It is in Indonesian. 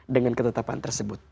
dengan ketetapan tersebut